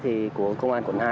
thì của công an quận hai